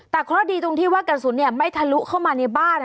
แต่เคราะห์ดีตรงที่ว่ากระสุนไม่ทะลุเข้ามาในบ้าน